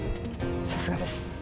さすがです